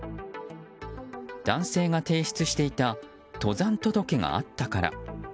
男性が提出していた登山届があったから。